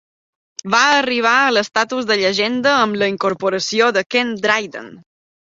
Va arribar a l'estatus de llegenda amb la incorporació de Ken Dryden.